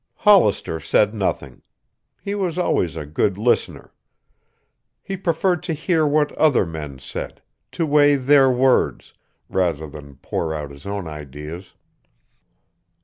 Hollister said nothing. He was always a good listener. He preferred to hear what other men said, to weigh their words, rather than pour out his own ideas.